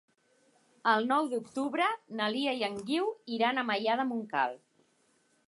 El nou d'octubre na Lia i en Guiu iran a Maià de Montcal.